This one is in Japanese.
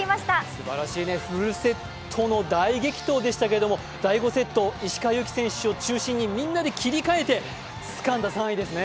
すばらしい、フルセットの大激闘でしたけれども、第５セット、石川祐希選手を中心にみんなで切り替えてつかんだメダルですね。